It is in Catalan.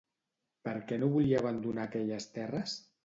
Per què no volia abandonar aquelles terres?